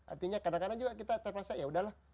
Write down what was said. artinya kadang kadang juga kita terasa ya udahlah